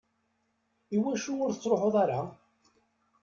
Iwacu ur tettruḥeḍ ara?